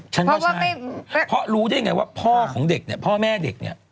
ฉันก็ใช่เพราะรู้ได้ไงว่าพ่อของเด็กพ่อแม่เด็ก